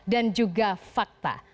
dan juga fakta